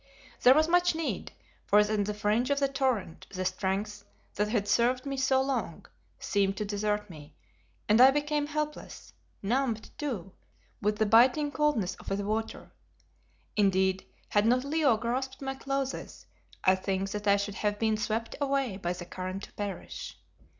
There was much need, for in the fringe of the torrent the strength that had served me so long seemed to desert me, and I became helpless; numbed, too, with the biting coldness of the water. Indeed, had not Leo grasped my clothes I think that I should have been swept away by the current to perish.